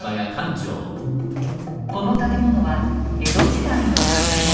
この建物は江戸時代の旅籠。